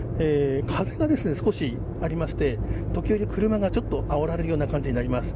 風が少し、ありまして時折、車がちょっとあおられるような感じになります。